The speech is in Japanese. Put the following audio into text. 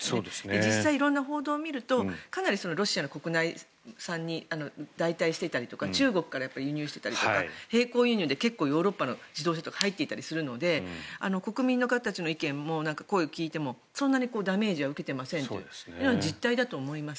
実際、色んな報道を見るとかなりロシアの国内産に代替していたりとか中国から輸入していたりとか並行輸入で結構ヨーロッパの自動車とか入っていたりするので国民の方たちの意見や声を聞いてもそんなにダメージは受けてませんというのが実態だと思います。